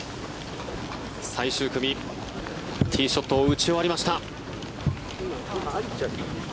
最終組、ティーショットを打ち終わりました。